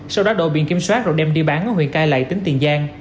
sau đó đội biện kiểm soát rồi đem đi bán ở huyện cai lạy tỉnh tiền giang